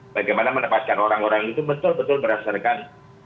bagaimana menempatkan orang orang itu betul betul berdasarkan